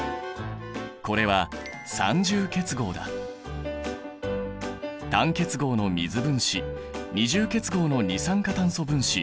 これは単結合の水分子二重結合の二酸化炭素分子